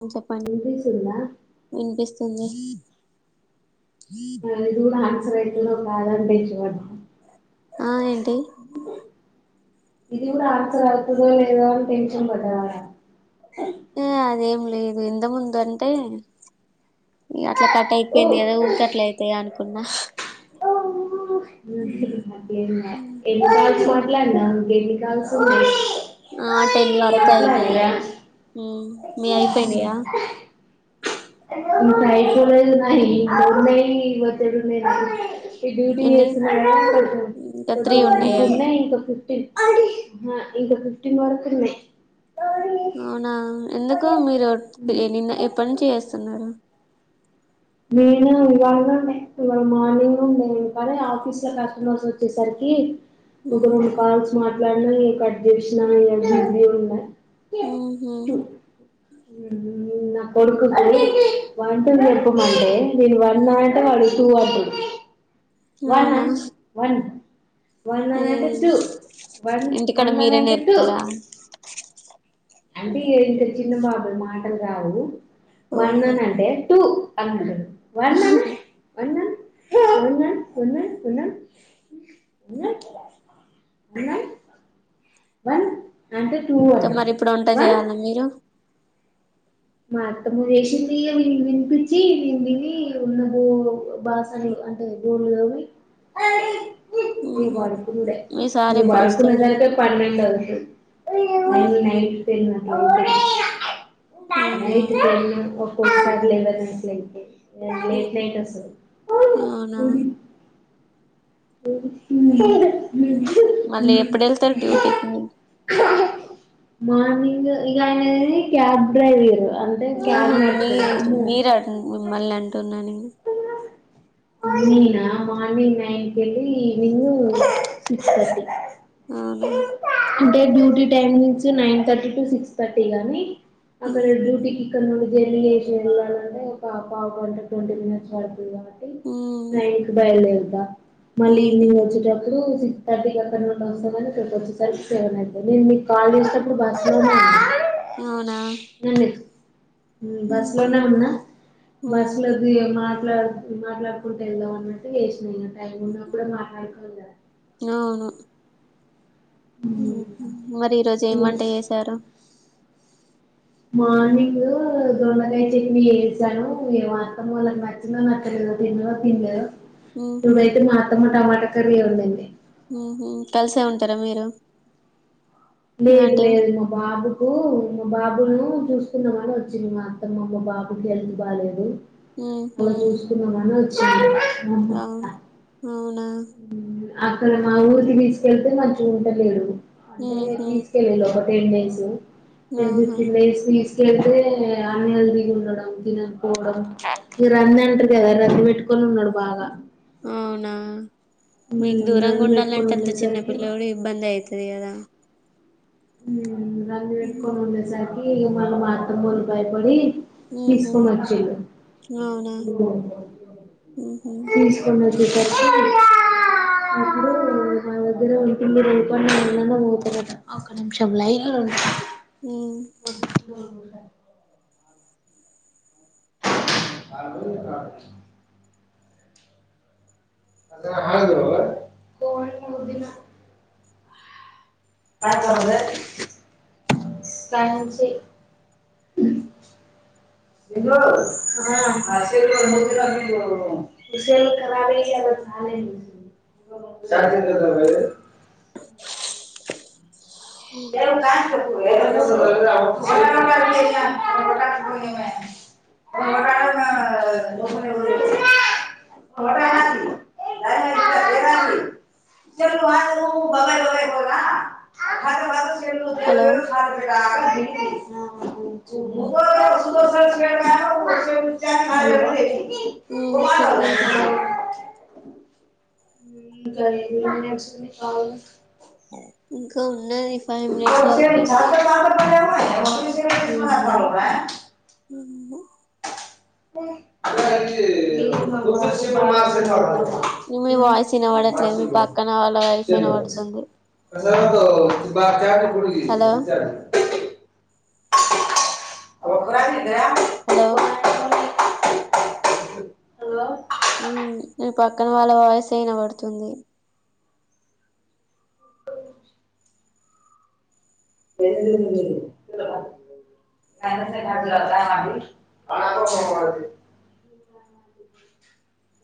మ్మ్ చెప్పండి వినిపిస్తుందా వినిపిస్ [unintelligible] అ ఇది కూడా [unintelligible] ఆ ఏంటి ఇది కూడా అస్సలు వత్తదో లేదో అని టెన్ష్ ఇనుపట్యా మ్ ఏ అదేం లేదు ఇందముందు అంటే ఇగ అట్లా కట్ అయిపేయింది కదా ఊకే అట్లా అయితయి అనుకో ఉన్న ఉ [unintelligible] గేనీ కాల్స్ ఆ టెన్ వరకు అయినాయి మ్మ్ మీ అయిపోయినాయా ఈ ఫైటోలేజన్నా మూడు నై ఇవతేడున్నాె [inaudible] ఎన్ని ఇంకా త్రీ ఉన్నాయా ఉన్నాయి ఇంకా ఫిఫ్టీన్ అది ఇంకా ఫిఫ్టీన్ వరకు ఉన్నాయి అవునా ఎందుకు మీరు నిన్న ఎప్పటి నుంచి చేస్తున్నారు నేను ఇవాళ నెక్ట్ ఇళ మార్నింగ్ నుండే ఆఫీస్ లో కస్టమర్స్ వచ్చేసరికి ఒకరు ఉహు కాల్స్ మాట్లాడిన కట్ చేసిన ఇంకా బిజీగా ఉన్న మ్మ్ హ్మ్ హ్మ్. నా కొడుకుతులి వంట కుమండడి ఇరు ఉ వన్నయిట వాడు చేయాలి వన అవునా వన్ ఏ వందంట టటు వన్ ఇంటికాడ మీరే వందంట టు నేర్పుతారా అంటే ఇంకా చిన్న బాబు మాటలు రావు వన్ ఓహో అని అంటే టూ అందు ఉన్న ఉన్న ఉన్న ఉన్న ఉన్న వన్ అంటే టూ ఇంకా అంటాడు మరి ఇప్పుడు వంట వన్ చేయాలా మీరు మా అత్తము చేసింది విం వినిపించి వింని ఉన్న బో బాసనలు అంటే గోలో ఈ ఉహు మీ సార్ ఎప్పుడు వస్తాడు [unintelligible] పన్నెండు అవ్వుది ముడే అ అవునా [unintelligible] లేట్ నైట్ వస్తది అవునా మళ్ళీ ఎప్పుడు వెళ్తారు డ్యూటీకి మీరు మార్నింగు ఇగయినది క్యాబ్ డ్రైవర్ అంటే ఆహా మీది అమ్మో మీరట్ మిమ్మల్ని అంటున్న నేను ఉ అయినీనా మార్నింగ్ నైన్కి ఎల్లి ఈవెనింగ్ సిక్స్ కట్ల అవునా అంటే duty timings nine thirty to six thirty గాని అక్కడ ఉమ్, డ్యూటీకి ఇక్కడ నుండి జల్ది ఏషిరు ఇవాళ అనే ఒక పావ్ గంట ట్వంటీ మినిట్స్ పడుతది కాబట్టి నైన్ బయలుదేరుత మళ్ళీ ఉమ్, ఈవినింగ్ వచ్చేటప్పుడు థర్టీకి అక్క నుండి వస్తడు గని ఇక్కకి వచ్చేసరి సెవెన్ అయియి నేను మీకు కాల్ చేసినప్పుడు బస్సు లోనే వున్నడు అవునా ఉ ఉమ్, బస్ లోనే ఉండన బస్ ఉమ్, లోద్దు ఏ మార్ గర్ల్స్ది మాట్లాడు నువ్ తెల్లావనట్టు అన్నట్టు చేసినిగ రైన్ లో కూడ మాట్లాడు ఫోన్ల అవును కదా మరి ఈ రోజు ఏం వంట చేసారు మార్నింగ్ దొండకాయ చెట్నీ చేసాను ఇగ మా అతమోలకు నచ్చిందో నచ్చలేదో తిన్నరో తినలేదో ఇదయ్తే మాతమ్మ టమాట ఆ కర్రీ ఏ ఉందండి కలిసే ఉంటారా మీరు మీ లేదు ఆంటీ లేదు మా బాబుకు మా బాబుల్ను చూసుకుందామని వచ్చింది మా అత్తమ్మ బాబుకి హెల్త్ బాలేదు ఉహు, నిన్ జస్కుందామని వచ్ [unintelligible] అవును అవునా ఊ అక్కడ మా ఊరికి తీసుకెళ్తే మంచి ఉంటలేదు అంటే ఉహు, తీస్కేలిలు ఒకరు టెన్ డేసు ఏమో ఆహా పిల్ల ఏడసుంది దీస్ మీరన్ని అంటరు కదా రస పెట్టుకొని ఉన్నాడు బాగా అవునా మీకు ఉమ్ దూరంగా రంది పెట్టుకొని ఉండాలంటే అంత చిన్న ఉండేసరికి పిల్లోడు ఇబ్బంది అయిత్ లేదా ఉ రంగు పెట్టుకోమని పలే [unintelligible] ఇ మళ్ల మా అత్తమో లు భయపడి ఉహు తీసుకొనిచ్చిలు అవునా ఉహు [unintelligible] తీసుకోన్ ఇప్పుడు మా దగ్గరే ఉంటుంది రేపు అన్న ఎల్లుండి అన్న పోతాదంట ఒక నిమిషం లైన్ లో ఉ అ హ అ [unintelligible] అదదు [unintelligible] క [unintelligible] ఎ క సప్ప [unintelligible] ఆ [unintelligible] బ [unintelligible] లు హలో హల్గా [unintelligible] ఆ [unintelligible] ఉమ్ చెప్పండి అస కావ [unintelligible] ఇంకా ఉన్నది ని ఫైవ్ మినిట్స్ చల్ వరకి కాగ [unintelligible] అ [unintelligible] [unintelligible] ర శివ మా [unintelligible] మీ మీ వాయిసు విన పడట్లేదు మీ పక్కన వాళ్ళ వాయిస్ విన పడుతుంది బట్ట [unintelligible] [unintelligible] అకురాద [unintelligible] హలో హలో ఉమ్ నీ పక్కన వాళ్ళ వాయిసే వినబడుతుంది అ [unintelligible]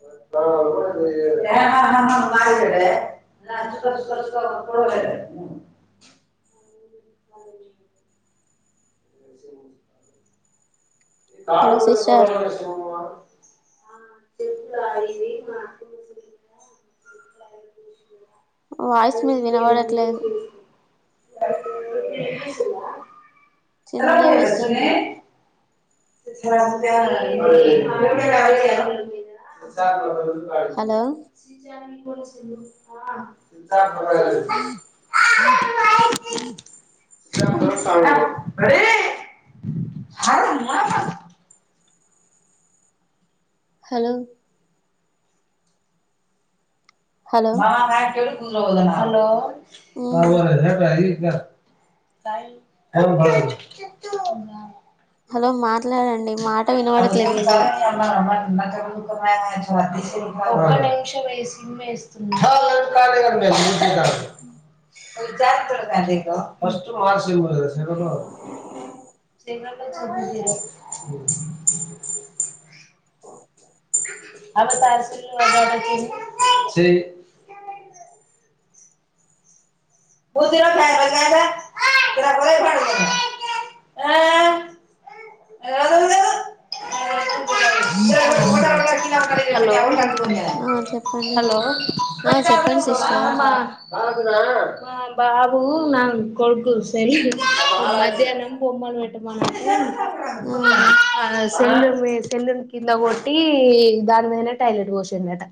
మర్చర్చ [unintelligible] వస [inaudible] కా హలో పో సిస్టర్ [unintelligible] చి త [unintelligible] వాయిస్ మీద వినబడట్లేదు చిన్న వస్తుంది [unintelligible] [unintelligible] హలో ంత [unintelligible] హ [unintelligible] ఆదాం హలో హలో మ [unintelligible] [unintelligible] ఉ హలో [unintelligible] పడదు. హలో మా మాట్లాడండి మాట వినబడట్లేదు మీది ఒక నిమిషమే సిమ్ వేస్తున్నా జాత్ర [unintelligible] [unintelligible] [unintelligible] బ ప [unintelligible] అడ [unintelligible] ఆ చెప్పండి హలో ఆ చెప్పండి సిస్టర్ బాబు నా కొడుకు సరి మధ్యాహ్నం బొమ్మలు పెటమానడు ఆహా [unintelligible] సెల్లూ సెలునే కింద కొట్టి దాని మీదనే టాయిలెట్ పోషందట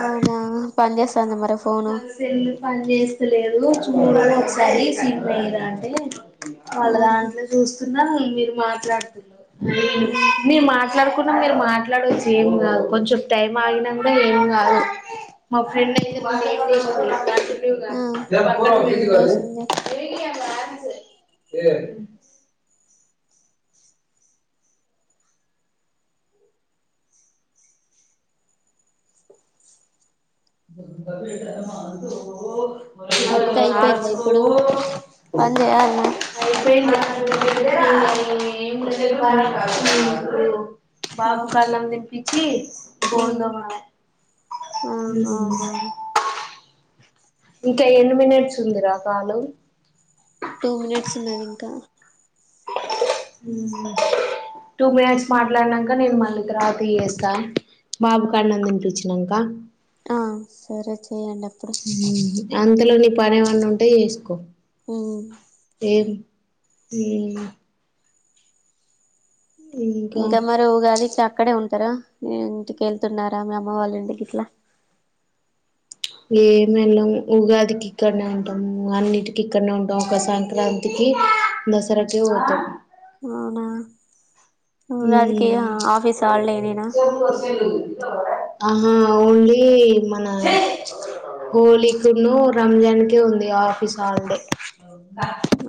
అవునా పని చేస్తాందా మరి ఫోను అ సెలు పని చేస్తలేదు ఒకసారి సిమ్ ఎయిరా అంటే వాళ్ళ ఆహా దాంట్లో చూస్తున్నారు మీరు మాట్లాడుతు [unintelligible] ఉమ్, మేము మాట్లాడు మీరు మాట్లాడవచ్చు ఏం కాదు కొంచెం టైం ఆగిన కూడా ఏం కాదు మా ఫ్రెండ్ అయితే మ ఆ ఏం చేసింది [unintelligible] పది [unintelligible] [inaudible] [unintelligible] వర్క్ అయిపోయిందా ఇప్పుడు పని చేయాలనా [unintelligible] అయిపొయింద [unintelligible] బాబు కన్నం తిని ఇచ్చి ఉ ఆ అవునా ఇంకా ఎన్ని మినిట్స్ ఉందిరా కాలు టూ మినిట్స్ ఉన్నది ఇంకా. ఊ టూ మినిట్స్ మాట్లాడినాక నేను మళ్ళీ తర్వాత ఇ చేస్తాను బాబుకాన్నం తినిపించినంకా ఆ సరే చెయ్యండి అప్పుడు అంతలో నిపనివన్న ఉంటే చేసుకో పో ఏ ఈ ఇంకా మరవుగాది టే అక్కడే ఉంటారా ఇంటికెళ్తున్నారా మీ అమ్మ వాళ్ళ ఇంటికి ఇట్లా. చ్ ఏ మేల్లం ఉగాదికి ఇక్కడనే ఉంటాము. అన్నిటికి ఇక్కడనే ఉంటాము. ఒక సంక్రాంతికి దసరాకి పోతాం. అవునా ఉగాదికి ఆ ఆఫీస్ హాలిడేనేనా ఆహా ఓన్లీ మన హోలీకును, రంజాన్కే ఉంది ఆఫీస్ హాలిడే.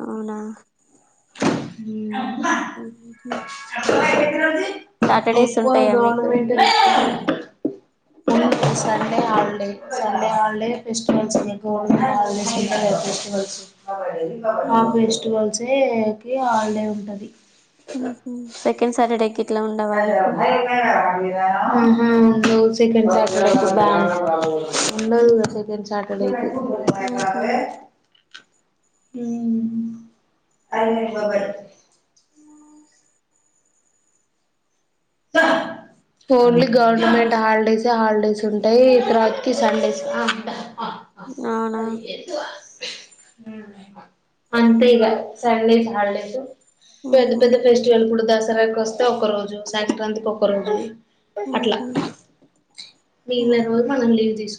అవునా ఉమ్ ఊహు ఎక్కువ government leaves [unintelligible] only Sunday holiday Sunday holiday festivals [unintelligible] ఆ ఫెస్టివల్స్ ఏ ది హాలిడే ఉంటాది. ఉహు సెకండ్ సటర్డేకి [unintelligible] ఉహు no second Saturday [unintelligible] ఉండదుగా second Saturday కి [unintelligible] ఉమ్ అన్నే బబ్బర్ ఓన్లీ గవర్నమెంట్ హాలిడేస్ ఏ హాలిడేస్ ఉంటాయి తర్వాత కి సండేస్ ఆ [inaudible] అవునా అంతే ఇగ సండేస్ హాలిడేస్ పెద్ద పెద్ద ఫెస్టివల్ కుడు దస్ ర కస్తె ఒక రోజు సంక్రాంతి కి ఒక రోజు అట్లా మిగిలిన రోజు మనం లీవ్ తీసు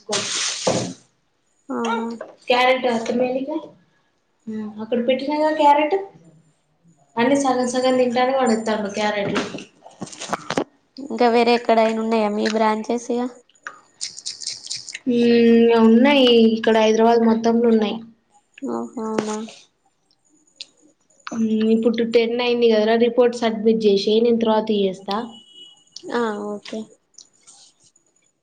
ఉ అవునా క్యారెట్ కష్టమే ఇగ ఆ అక్కడ పెట్టినా కద క్యారెట్ అన్ని సగం సగం తింటాండు పడేత్తండు క్యారెట్లో ఇంకా వేరే ఎక్కడైనా ఉన్నాయా మీ బ్రాంచెస్ ఇగ ఈ ఇగ ఉన్నయి ఇక్కడ హైదరాబాద్ మొత్తం లో ఉన్నాయి ఓహో అవునా ఇప్పుడు టెన్ అయింది కదరా రిపోర్ట్ సబ్మిట్ చేసేయ్ నేను తర్వాత చేస్తా ఆ ఓకే